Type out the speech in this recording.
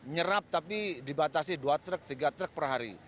nyerap tapi dibatasi dua truk tiga truk per hari